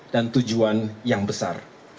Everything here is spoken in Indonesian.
dan tujuan yang besar